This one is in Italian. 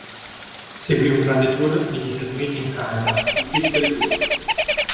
Seguì un grande tour negli Stati Uniti e in Canada, il "Victory Tour".